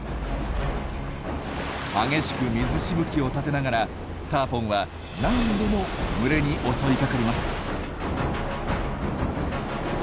激しく水しぶきを立てながらターポンは何度も群れに襲いかかります。